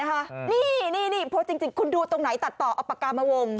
ไม่ตัดต่อนะคะนี่พอจริงคุณดูตรงไหนตัดต่อเอาปากกามาวง